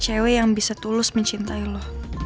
cewek yang bisa tulus mencintai lo